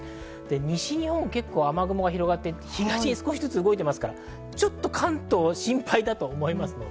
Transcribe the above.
西日本、結構雨雲が広がっていて東に動いていますからちょっと関東も心配だと思います。